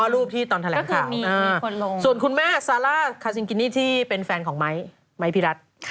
อ๋อรูปที่ตอนแถลงข่าวส่วนคุณแม่ซาร่าคาซิงกินนี่ที่เป็นแฟนของมิ้งค์มิ้งค์พี่รัฐ